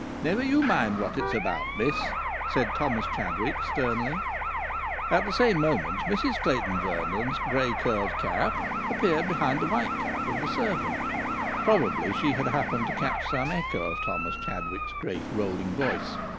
"Never you mind what it's about, miss," said Thomas Chadwick, sternly. At the same moment Mrs Clayton Vernon's grey curled head appeared behind the white cap of the servant. Probably she had happened to catch some echo of Thomas Chadwick's great rolling voice.